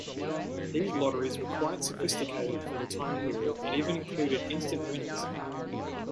These lotteries were quite sophisticated for the time period and even included instant winners.